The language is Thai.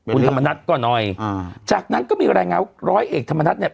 คุณธรรมนัฐก็หน่อยอ่าจากนั้นก็มีรายงานว่าร้อยเอกธรรมนัฐเนี่ย